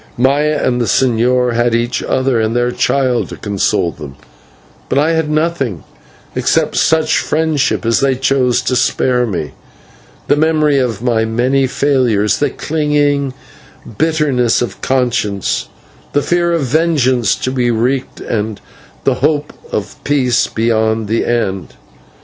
Maya and the señor had each other and their child to console them; but I had nothing except such friendship as they chose to spare me, the memory of my many failures, the clinging bitterness of conscience, the fear of vengeance to be wreaked, and the hope of peace beyond the end.